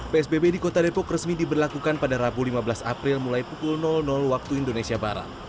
psbb di kota depok resmi diberlakukan pada rabu lima belas april mulai pukul waktu indonesia barat